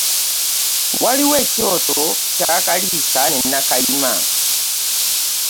Waliwo ekyoto kya Kaliisa ne Nakayima.